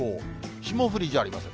霜降りじゃありません。